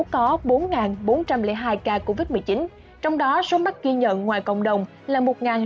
có bốn bốn trăm linh hai ca covid một mươi chín trong đó số mắc ghi nhận ngoài cộng đồng là một sáu trăm chín mươi một